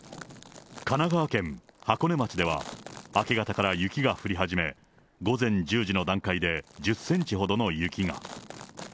神奈川県箱根町では、明け方から雪が降り始め、午前１０時の段階で１０センチほどの雪が。